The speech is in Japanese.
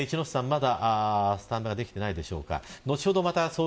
まだ、スタンバイができていないでしょうか。